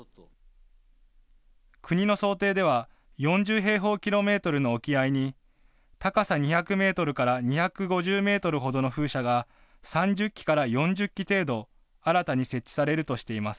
国の想定では、４０平方キロメートルの沖合に、高さ２００メートルから２５０メートルほどの風車が３０基から４０基程度、新たに設置されるとしています。